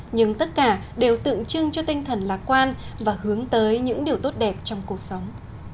nhưng tất cả đều tượng trưng cho tinh thần lạc quan và hướng tới những điều tốt đẹp trong cuộc sống